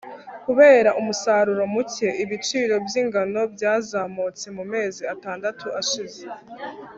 Kubera umusaruro muke ibiciro by ingano byazamutse mumezi atandatu ashize